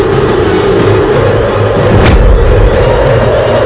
dan menghentikan raiber